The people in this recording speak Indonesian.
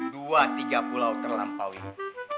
dua tiga pulau terlampauin